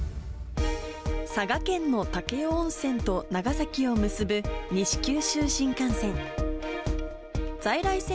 佐賀県の武雄温泉と長崎を結ぶ西九州新幹線。